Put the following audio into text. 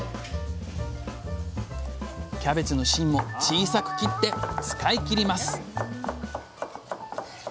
キャベツの芯も小さく切って使い切ります